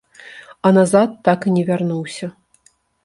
А назад так і не вярнуўся.